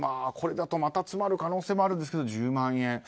これだと、また詰まる可能性もあるんですが１０万円。